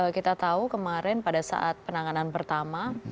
kita tahu kemarin pada saat penanganan pertama